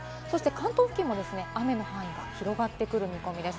関東付近も雨の範囲が広がってくる見込みです。